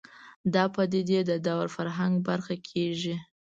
دا پدیدې د دور فرهنګ برخه کېږي